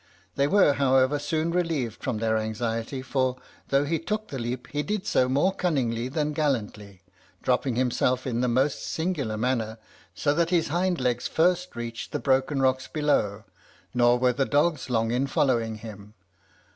They were, however, soon relieved from their anxiety, for though he took the leap, he did so more cunningly than gallantly, dropping himself in the most singular manner, so that his hind legs first reached the broken rocks below; nor were the dogs long in following him.